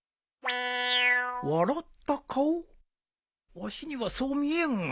わしにはそう見えんが